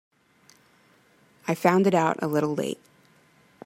I found it out a little late.